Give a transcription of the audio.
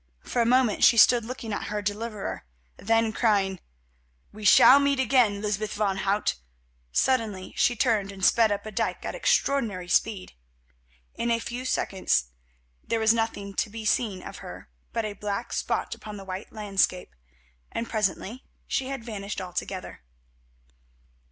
For a moment she stood looking at her deliverer. Then crying, "We shall meet again, Lysbeth van Hout!" suddenly she turned and sped up a dyke at extraordinary speed. In a few seconds there was nothing to be seen of her but a black spot upon the white landscape, and presently she had vanished altogether.